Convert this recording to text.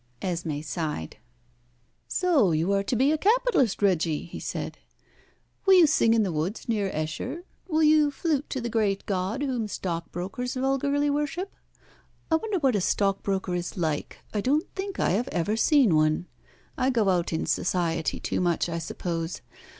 Esmé sighed. "So you are to be a capitalist, Reggie," he said. "Will you sing in the woods near Esher? Will you flute to the great god whom stockbrokers vulgarly worship? I wonder what a stockbroker is like. I don't think I have ever seen one. I go out in Society too much, I suppose.